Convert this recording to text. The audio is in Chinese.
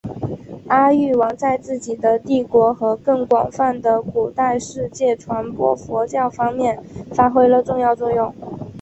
阿育王在自己的帝国和更广泛的古代世界传播佛教方面发挥了重要作用。